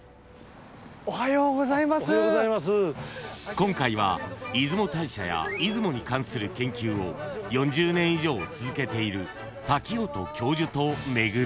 ［今回は出雲大社や出雲に関する研究を４０年以上続けている瀧音教授と巡る］